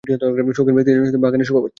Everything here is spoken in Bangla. শৌখিন ব্যক্তিদের বাগানে শোভা পাচ্ছে।